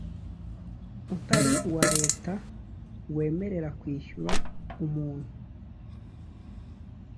utari uwa leta wemerera kwishyura umuntu